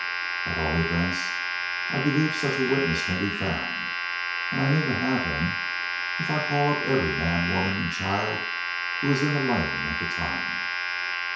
At all events, I believe such a witness can be found, and I mean to have him if I call up every man, woman, and child who was in the lane at the time.